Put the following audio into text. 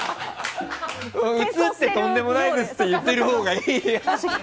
映って、とんでもないですって言ってるほうがいいよ。